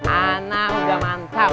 anah udah mantap